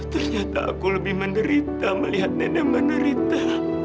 ternyata aku lebih menderita melihat nenek menderita